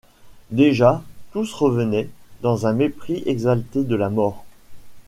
Déjà, tous revenaient, dans un mépris exalté de la mort.